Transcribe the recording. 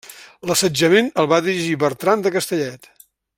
L'assetjament el va dirigir Bertran de Castellet.